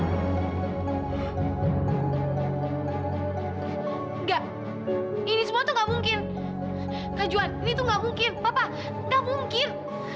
tidak ini semua itu tidak mungkin